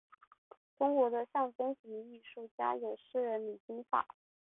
中国的象征主义艺术家有诗人李金发。